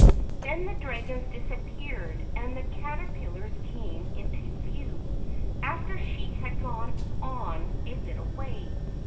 '" Then the dragons disappeared and the cater¬ pillars came into view after she had gone on a little way.